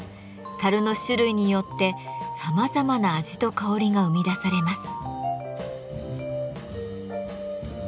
樽の種類によってさまざまな味と香りが生み出されます。